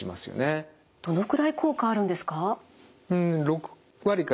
どのくらい効果あるんですか？